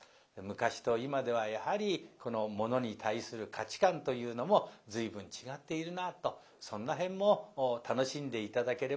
昔と今ではやはりものに対する価値観というのも随分違っているなあとそんな辺も楽しんで頂ければいいと思います。